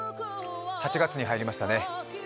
８月に入りましたね。